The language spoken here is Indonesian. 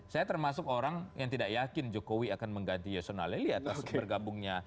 saya termasuk orang yang tidak yakin jokowi akan mengganti yasona leli atas bergabungnya